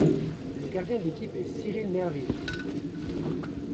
Le gardien de l'équipe est Cyrille Merville.